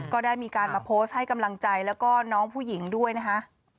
ก็ได้มีการมาโพสต์ให้กำลังใจแล้วก็น้องผู้หญิงด้วยนะคะ